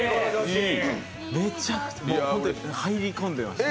めちゃくちゃ入り込んでましたね。